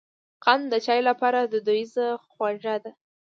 قند د چای لپاره دودیزه خوږه ده.